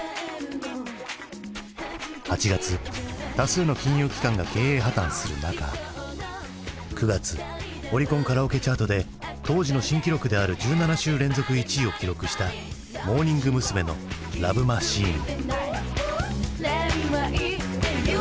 ８月多数の金融機関が経営破綻する中９月オリコンカラオケチャートで当時の新記録である１７週連続１位を記録したモーニング娘。の「ＬＯＶＥマシーン」。